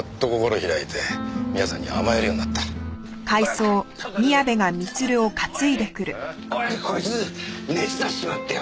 オヤジこいつ熱出しちまってよ。